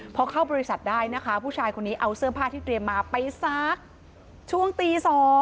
พอเข้าบริษัทได้นะคะผู้ชายคนนี้เอาเสื้อผ้าที่เตรียมมาไปซักช่วงตี๒